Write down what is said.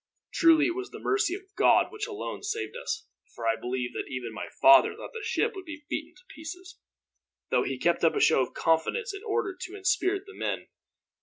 Truly it was the mercy of God which alone saved us, for I believe that even my father thought the ship would be beaten to pieces, though he kept up a show of confidence in order to inspirit the men.